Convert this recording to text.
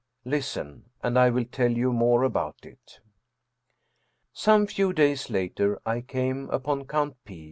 Listen, and I will tell you more about it. Some few days later I came upon Count P.